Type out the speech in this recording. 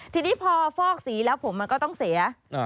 ทีนี้พอฟอกสีแล้วผมมันก็ต้องเสีย